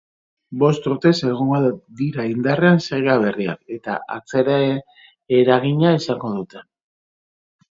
Bost urtez egongo dira indarrean zerga berriak, eta atzeraeragina izango dute.